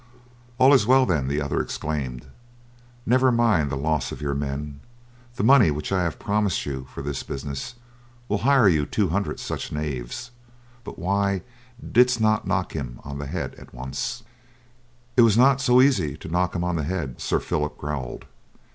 "All is well then," the other exclaimed. "Never mind the loss of your men. The money which I have promised you for this business will hire you two hundred such knaves; but why didst not knock him on head at once?" "It was not so easy to knock him on the head," Sir Phillip growled.